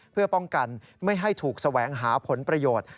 เพื่อป้องกันไม่ให้ถูกแสวงหาผลประโยชน์